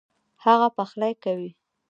هغه پخلی کوي